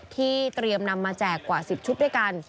ที่เตรียมนำมาแจกกว่า๑๐ชุดด้วยกัน